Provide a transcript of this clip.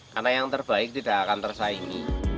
karena yang terbaik tidak akan tersaingi